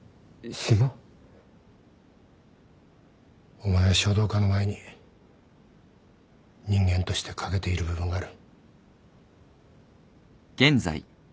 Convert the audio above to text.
お前は書道家の前に人間として欠けている部分がある